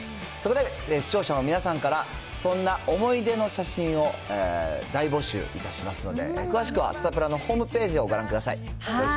そこで、視聴者の皆さんから、そんな思い出の写真を大募集いたしますので、詳しくはサタプラのホームページをご覧ください。